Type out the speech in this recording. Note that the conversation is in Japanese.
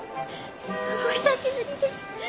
お久しぶりです。